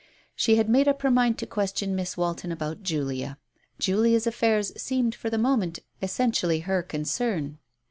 She had made up her mind to question Miss Walton about Julia. Julia's affairs seemed for the moment essentially her concern.